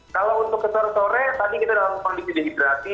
kalau untuk ke sore sore tadi kita dalam kondisi dehidrasi